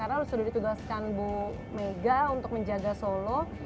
karena mas rudy tugaskan bu mega untuk menjaga solo